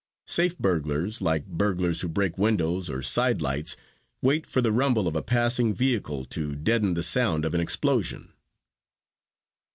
Safe burglars, like burglars who break windows or side lights, wait for the rumble of a passing vehicle to deaden the sound of an explosion.